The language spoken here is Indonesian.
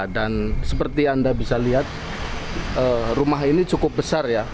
dan seperti anda bisa lihat rumah ini cukup besar ya